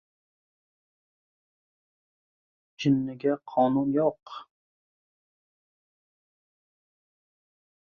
• Jinniga qonun yo‘q.